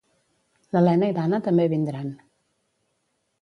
L'Elena i l'Ana també vindran